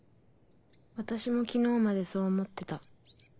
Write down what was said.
私も昨日までそう思ってた。